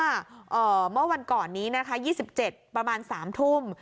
เอ่อเมื่อวันก่อนนี้นะคะยี่สิบเจ็ดประมาณสามทุ่ม